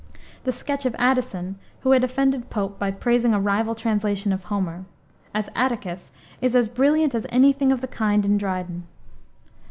The sketch of Addison who had offended Pope by praising a rival translation of Homer as "Atticus," is as brilliant as any thing of the kind in Dryden.